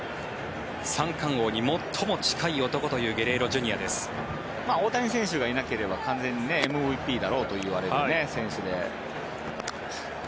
三冠王に最も近い男という大谷選手がいなければ完全にＭＶＰだろうといわれる選手で。